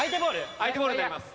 相手ボールになります。